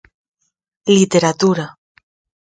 Literatura.